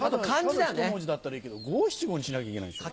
ただ１文字だったらいいけど五・七・五にしなきゃいけないんでしょ？